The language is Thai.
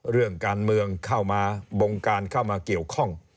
เรื่องการเมืองเข้ามาบงการเข้ามาเกี่ยวข้อง